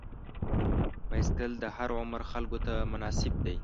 بایسکل د هر عمر خلکو ته مناسب دی.